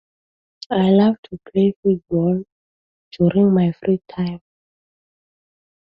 We arrive at moral rules by extending these objects of irrational desire to others.